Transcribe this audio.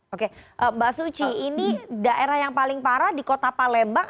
oke mbak suci ini daerah yang paling parah di kota palembang